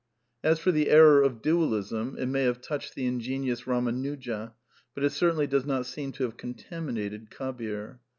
As for " the error of Dualism "— it may have touched the ingenious Bamanuja; but it certainly does not seem to have contaminated Kabir.